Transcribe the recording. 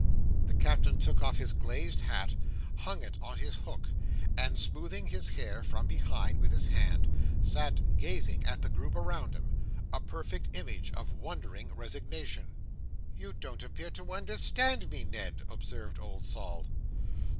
The Captain took off his glazed hat, hung it on his hook, and smoothing his hair from behind with his hand, sat gazing at the group around him: a perfect image of wondering resignation. "You don't appear to understand me, Ned!" observed old Sol.